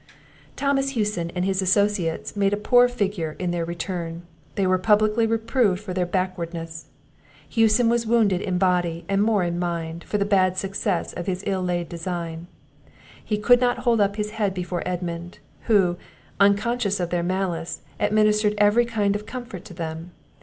Thomas Hewson and his associates made a poor figure in their return; they were publicly reproved for their backwardness. Hewson was wounded in body and more in mind, for the bad success of his ill laid design. He could not hold up his head before Edmund; who, unconscious of their malice, administered every kind of comfort to them.